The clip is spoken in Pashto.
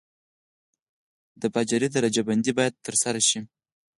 د جغل درجه بندي باید ترسره شي